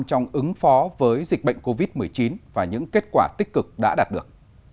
trong ứng phó với dịch bệnh covid một mươi chín và những kết quả tích cực đã đạt được